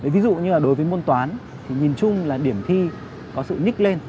ví dụ như là đối với môn toán thì nhìn chung là điểm thi có sự nhích lên